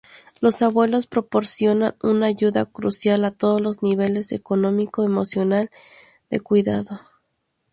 Los abuelos proporcionan una ayuda crucial a todos los niveles: económico, emocional…de cuidado.